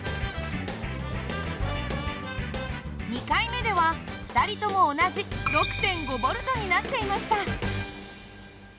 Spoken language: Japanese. ２回目では２人とも同じ６．５Ｖになっていました。